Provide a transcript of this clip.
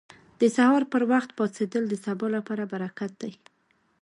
• د سهار پر وخت پاڅېدل د سبا لپاره برکت دی.